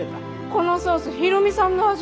このソース大海さんの味。